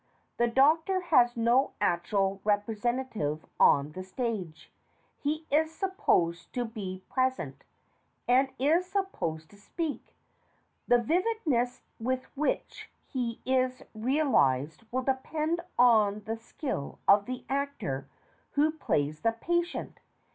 The DOCTOR has no actual representative on the stage: he is supposed to be pres ent, and is supposed to speak: the vividness with which he is realised will depend on the skill of the Actor who plays the PATIENT.